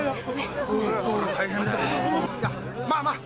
いやまあまあ！